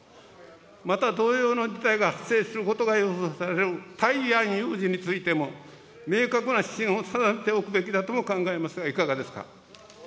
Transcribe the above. また同様の事態が発生することが予想される台湾有事についても、明確な指針を定めておくべきだと考えますが、いかがですか。